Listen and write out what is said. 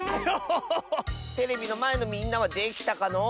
テレビのまえのみんなはできたかのう？